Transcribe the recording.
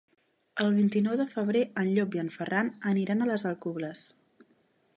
El vint-i-nou de febrer en Llop i en Ferran aniran a les Alcubles.